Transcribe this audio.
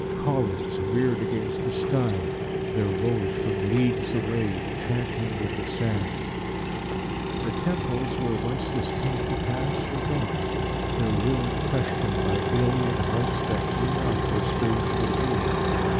Columns reared against the sky. There rose, from leagues away, the chanting of the sand. The temples, where once this came to pass, were gone, their ruin questioned by alien hearts that knew not their spiritual meaning.